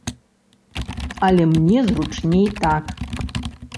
Але мне зручней так!